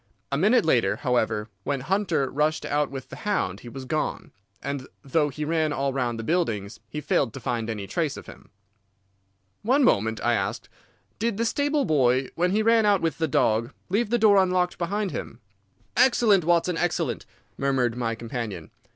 A minute later, however, when Hunter rushed out with the hound he was gone, and though he ran all round the buildings he failed to find any trace of him." "One moment," I asked. "Did the stable boy, when he ran out with the dog, leave the door unlocked behind him?" "Excellent, Watson, excellent!" murmured my companion.